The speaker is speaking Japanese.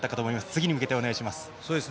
次に向けて、お願いします。